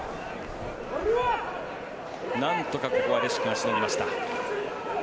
なんとかここはレシュクがしのぎました。